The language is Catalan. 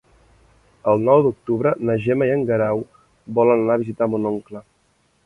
El nou d'octubre na Gemma i en Guerau volen anar a visitar mon oncle.